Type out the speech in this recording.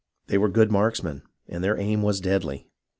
They were good marksmen, and their aim was deadly.